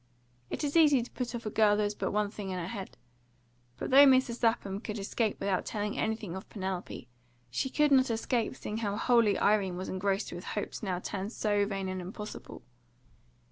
It is easy to put off a girl who has but one thing in her head; but though Mrs. Lapham could escape without telling anything of Penelope, she could not escape seeing how wholly Irene was engrossed with hopes now turned so vain and impossible.